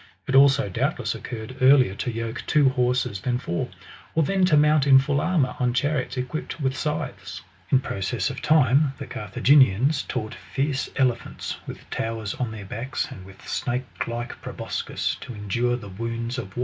It also doubtless occurred earlier to yoke two horses than four, or than to mount in full armour on chariots equipped with scythes. In process of time the Carthaginians taught fierce elephants,^ with towers on their backs, and with snake like proboscis, to endure the wounds of war, and to throw vast * Bursts forth from contempt.